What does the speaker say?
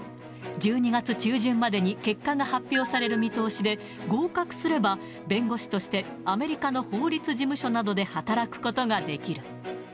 １２月中旬までに結果が発表される見通しで、合格すれば、弁護士としてアメリカの法律事務所などで働くことができる。